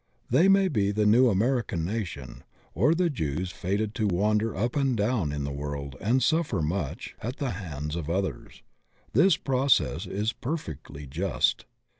They may be the new American nation, or the Jews fated to wander up and down in the world and suffer much at the hands of others. This process is perfectly just.